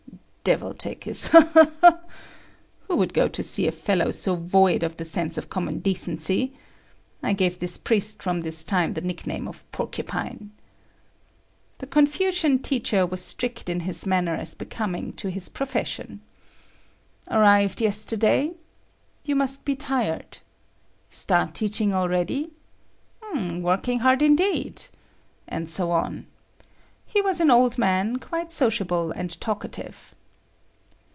Devil take his "Ha, ha, ha!" Who would go to see a fellow so void of the sense of common decency! I gave this priest from this time the nickname of Porcupine. The Confucian teacher was strict in his manner as becoming to his profession. "Arrived yesterday? You must be tired. Start teaching already? Working hard, indeed!"—and so on. He was an old man, quite sociable and talkative.